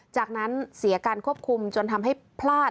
จากนั้นเสียการควบคุมจนทำให้พลาด